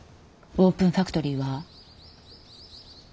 オープンファクトリー？